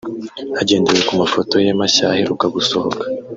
Hagendewe ku mafoto ye mashya aheruka gusohoka